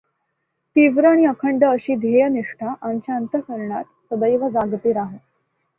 तीव्र आणि अखंड अशी ध्येयनिष्ठा आमच्या अंतःकरणात सदैव जागती राहो.